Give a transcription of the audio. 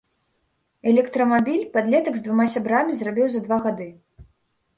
Электрамабіль падлетак з двума сябрамі зрабіў за два гады.